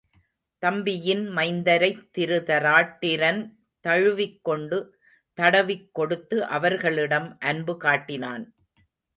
தம்பியின் மைந்தரைத் திருதராட்டிரன் தழுவிக் கொண்டு தடவிக் கொடுத்து அவர்களிடம் அன்பு காட்டினான்.